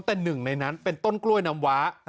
แต่หนึ่งในนั้นเป็นต้นกล้วยน้ำว้า